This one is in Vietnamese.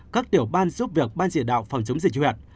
các tiểu ban giúp việc ban chỉ đạo phòng chống dịch huyện